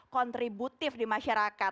kontributif di masyarakat